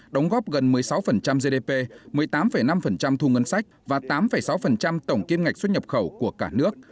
đóng góp gần một mươi sáu gdp một mươi tám năm thu ngân sách và tám sáu tổng kim ngạch xuất nhập khẩu của cả nước